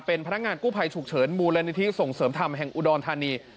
เป็นพนักงานกู้ภัยฉุกเฉินมูลนิธิส่งเสริมธรรมแห่งอุดรธานี